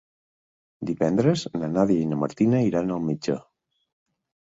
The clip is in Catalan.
Divendres na Nàdia i na Martina iran al metge.